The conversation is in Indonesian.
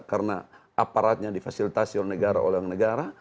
karena aparatnya difasilitasi oleh negara negara